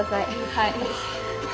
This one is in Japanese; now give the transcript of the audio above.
はい。